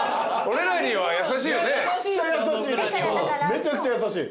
めちゃくちゃ優しい。